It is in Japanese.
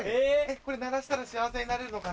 これ鳴らしたら幸せになれるのかな？